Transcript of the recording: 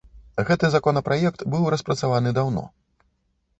Гэты законапраект быў распрацаваны даўно.